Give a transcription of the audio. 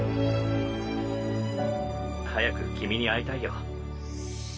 早く君に会いたいよ。